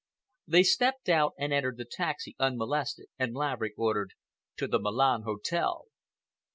They stepped out and entered the taxi, unmolested, and Laverick ordered: "To the Milan Hotel."